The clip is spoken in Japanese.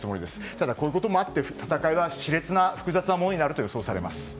ただ、こういうこともあって戦いは複雑なものになると予想されます。